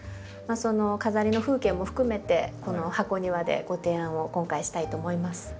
その飾りの風景も含めてこの箱庭でご提案を今回したいと思います。